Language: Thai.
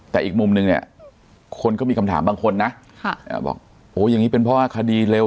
แต่อีกมุมนึงเนี่ยคนก็มีคำถามบางคนนะบอกโอ้อย่างนี้เป็นเพราะว่าคดีเร็ว